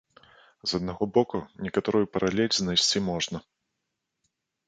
З аднаго боку, некаторую паралель знайсці можна.